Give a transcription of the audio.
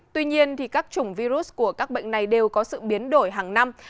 tuy nhiên các chủng virus của các bệnh này đều có sự biến đổi hàng năm